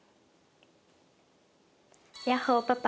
ヤッホパパ！